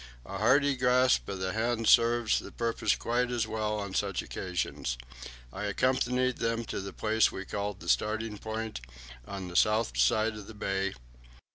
A hearty grasp of the hand serves the purpose quite as well on such occasions. I accompanied them to the place we called the starting point, on the south side of the bay.